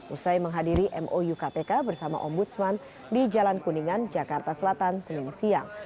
usai menghadiri mou kpk bersama ombudsman di jalan kuningan jakarta selatan senin siang